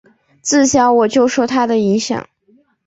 自小我就受他的影响